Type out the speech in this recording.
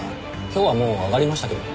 今日はもう上がりましたけど。